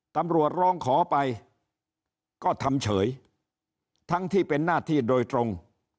ตำรวจร้องขอไปก็ทำเฉยทั้งที่เป็นหน้าที่โดยตรง